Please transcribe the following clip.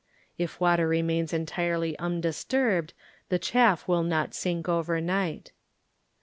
(If water remains entirely undisturbed the chaff will not sink over night.)